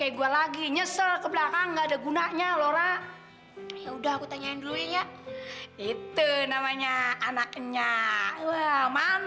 era setat untungnya aja